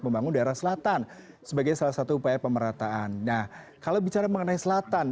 kejar lonely misalah tan sebagainya salah satu upaya pemakaian nah kalau bicara tentang selatan